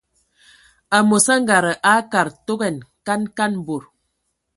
Amos angada akad togan kan kan bod.